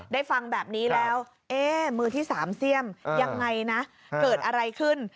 ได้ฟังแบบนี้แล้วเอ๊ะมือที่สามเสี่ยมยังไงนะเกิดอะไรขึ้น